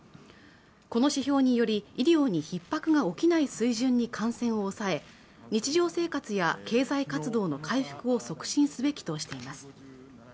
この指標により医療に逼迫が起きない水準に感染を抑え日常生活や経済活動の回復を促進すべきとしています